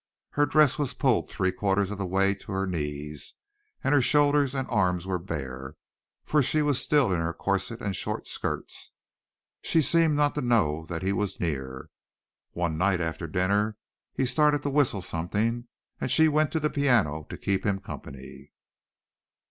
Her dress was pulled three quarters of the way to her knees and her shoulders and arms were bare, for she was still in her corset and short skirts. She seemed not to know that he was near. One night after dinner he started to whistle something and she went to the piano to keep him company.